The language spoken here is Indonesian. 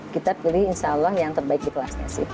kita pilih insya allah yang terbaik di kelasnya sih